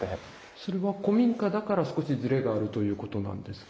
それは古民家だから少しずれがあるということなんですか？